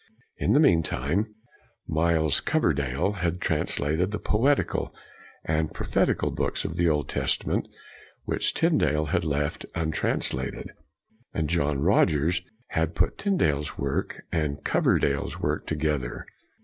In the meantime, Miles Coverdale had trans lated the poetical and prophetical books of the Old Testament, which Tyndale had left untranslated, and John Rogers had put Tyndale's work and Cover dale's together.